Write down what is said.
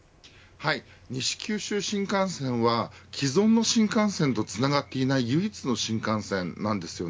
西九州新幹線は既存の新幹線とつながっていない唯一の新幹線なんです。